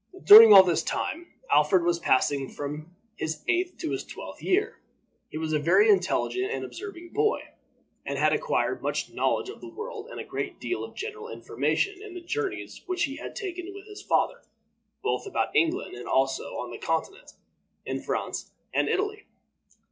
During all this time Alfred was passing from his eighth to his twelfth year. He was a very intelligent and observing boy, and had acquired much knowledge of the world and a great deal of general information in the journeys which he had taken with his father, both about England and also on the Continent, in France and Italy.